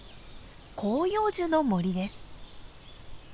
広葉樹の森です。